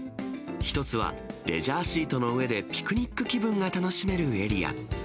１つは、レジャーシートの上でピクニック気分が楽しめるエリア。